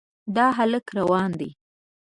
دا هلک روان دی.